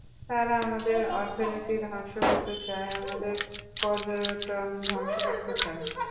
তারা আমাদের অর্থনীতি ধ্বংস করতে চায়, আমাদের পর্যটন ধ্বংস করতে চায়।